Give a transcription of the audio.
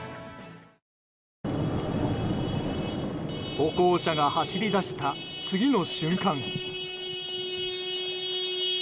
歩行者が走り出した次の瞬間。